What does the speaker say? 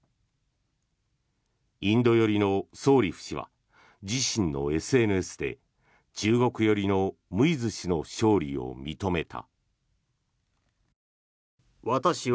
インド寄りのソーリフ氏は自身のＳＮＳで中国寄りのムイズ氏の勝利を認めた。